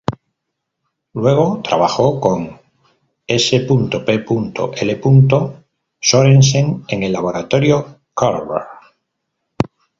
Luego trabajó con S. P. L. Sørensen en el Laboratorio Carlsberg.